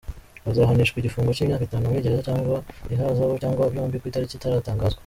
Bazahanishwa igifungo cy’imyaka itanu muri gereza, cyangwa ihazabu, cyangwa byombi ku itariki itaratangazwa.